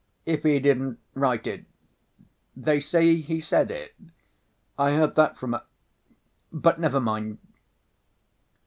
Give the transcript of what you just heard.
"If he didn't write it, they say he said it. I heard that from a ... but never mind."